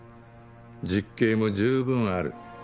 実刑も十分ある。